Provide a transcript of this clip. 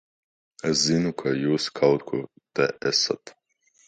Es zinu, ka jūs kaut kur te esat!